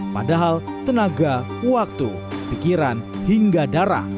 padahal tenaga waktu pikiran hingga darah